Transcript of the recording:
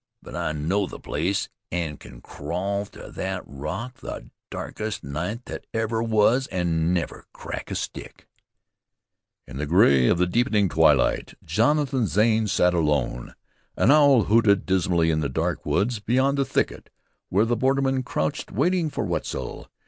But I know the place, an' can crawl to thet rock the darkest night thet ever was an' never crack a stick." In the gray of the deepening twilight Jonathan Zane sat alone. An owl hooted dismally in the dark woods beyond the thicket where the borderman crouched waiting for Wetzel.